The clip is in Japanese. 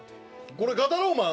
これガタロー☆マン？